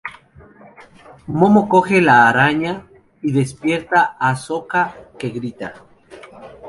Momo coge la araña y despierta a Sokka, que grita.